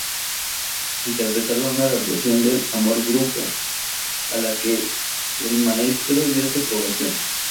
Interpretaron una adaptación del Amor Brujo, a la que el maestro dio su aprobación.